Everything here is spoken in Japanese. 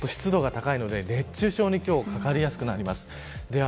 湿度が高いので熱中症にかかりやすくなります。